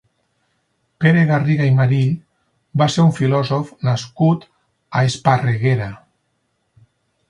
Pere Garriga i Marill va ser un filòsof nascut a Esparreguera.